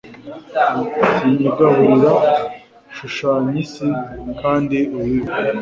Sinkigaburira shushanya isi kandi ubibe